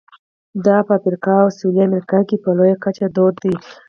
دا په افریقا او سوېلي امریکا کې په لویه کچه دود دي.